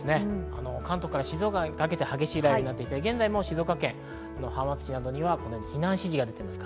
関東から静岡にかけて激しい雷雨になっていて、現在も静岡県浜松市などには避難指示が出ています。